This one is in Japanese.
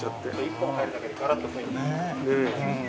一本入るだけでガラッと雰囲気。